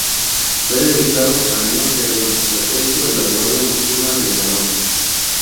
Fue dedicado a Anneo Sereno, prefecto de la guardia nocturna de Nerón.